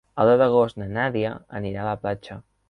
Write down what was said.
El deu d'agost na Nàdia anirà a la platja.